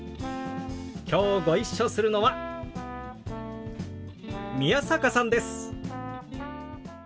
きょうご一緒するのは宮坂さんです。